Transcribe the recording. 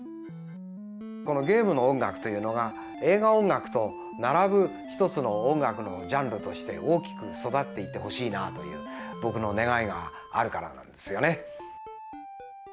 このゲームの音楽というのが、映画音楽と並ぶ一つの音楽のジャンルとして、大きく育っていってほしいなという、僕の願いがあるからなんですよね。